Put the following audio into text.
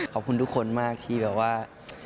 ขอบคุณทุกคนมากที่แบบว่า